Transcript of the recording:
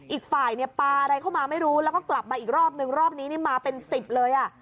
อีกฝ่ายเนี่ยปลาอะไรเข้ามาไม่รู้แล้วก็กลับมาอีกรอบนึงรอบนี้นี่มาเป็นสิบเลยอ่ะ